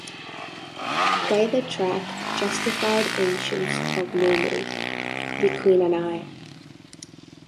Play the track "Justified Ancients of Mu Mu - The Queen and I".